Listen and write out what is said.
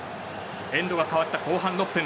エンドが変わった後半６分。